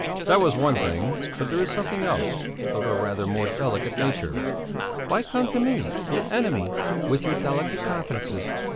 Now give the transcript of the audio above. That was one thing, but there is something else, of a rather more delicate nature...." "Why come to me, your enemy, with your delicate confidences?